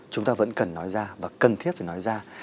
chúng ta vẫn cần nói ra và cần thiết phải nói ra